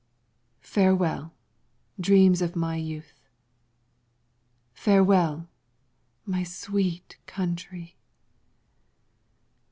Farewell, dreams of my youth! Farewell, my sweet country!